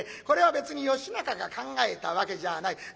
これは別に義仲が考えたわけじゃあない。